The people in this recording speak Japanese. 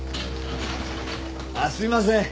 あっすいません。